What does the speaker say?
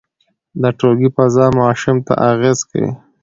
د ټولګي فضا ماشوم ته اغېز کوي.